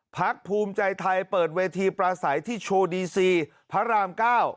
พักภูมิใจไทยเปิดเวทีปราศัยที่โชว์ดีซีพระรามเก้า